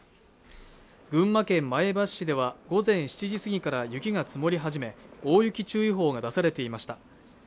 群馬県前橋市では午前７時過ぎから雪が積もり始め大雪注意報が出されていました